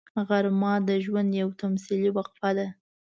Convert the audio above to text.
غرمه د ژوند یوه تمثیلي وقفه ده